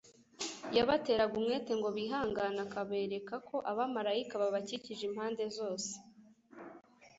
Yabateraga umwete ngo bihangane, akabereka ko abamarayika babakikije impande zose